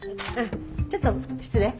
ちょっと失礼。